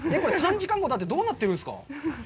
３時間後はどうなってるんですか？